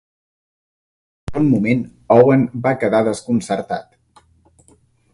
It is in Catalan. Per un moment, Owen va quedar desconcertat.